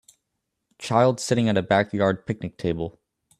Child sitting at a backyard picnic table